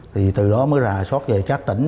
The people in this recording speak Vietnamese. thì từ đó mới ra sót về các tỉnh